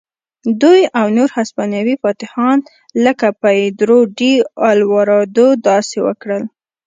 دوی او نور هسپانوي فاتحان لکه پیدرو ډي الواردو داسې وکړل.